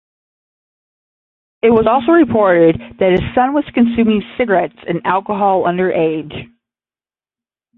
It was also reported that his son was consuming cigarettes and alcohol underage.